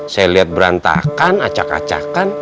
saya lihat berantakan acak acakan